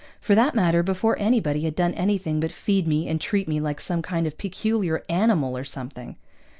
For that matter, before anybody had done anything but feed me and treat me like some kind of peculiar animal or something.